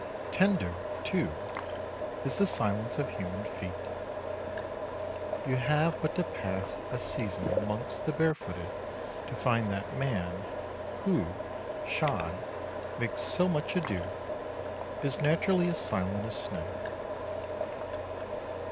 Tender, too, is the silence of human feet. You have but to pass a season amongst the barefooted to find that man, who, shod, makes so much ado, is naturally as silent as snow.